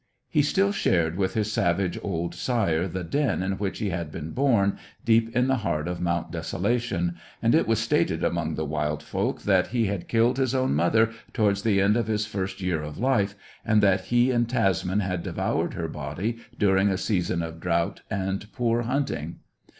He still shared with his savage old sire the den in which he had been born, deep in the heart of Mount Desolation, and it was stated among the wild folk that he had killed his own mother towards the end of his first year of life, and that he and Tasman had devoured her body during a season of drought and poor hunting.